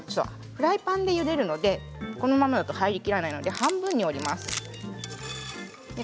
フライパンでゆでるのでこのままだと入りきらないので半分に折ります。